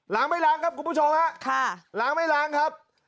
ไม่ล้างครับคุณผู้ชมฮะค่ะล้างไม่ล้างครับ